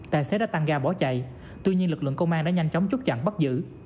tài xế đã tăng ga bỏ chạy tuy nhiên lực lượng công an đã nhanh chóng chút chặn bắt giữ